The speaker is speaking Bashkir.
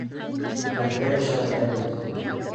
Бергә эшләргә бит!